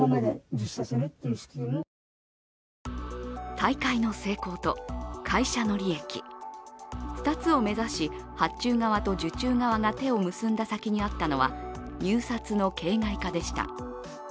大会の成功と会社の利益２つを目指し発注側と受注側が手を結んだ先にあったのは入札の形骸化でした。